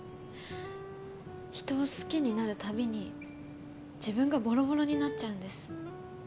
人を好きになるたびに自分がボロボロになっちゃうんです。